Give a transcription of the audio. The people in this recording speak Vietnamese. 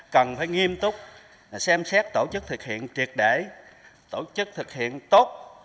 cần phải nghiêm túc xem xét tổ chức thực hiện triệt để tổ chức thực hiện tốt